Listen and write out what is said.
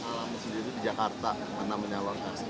karena pasadi itu di jakarta namanya lodas